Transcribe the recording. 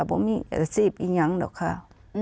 เพราะมีอาจจะสิบอีกยังหรอกค่ะ